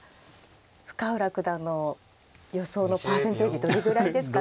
深浦九段の予想のパーセンテージどれぐらいですかね。